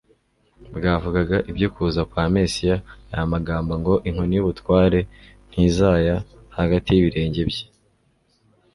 bwavugaga ibyo kuza kwa Mesiya aya magambo ngo: "inkoni y'ubutware ntizaya hagati y'ibirenge bye